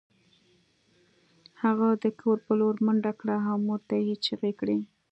هغه د کور په لور منډه کړه او مور ته یې چیغې کړې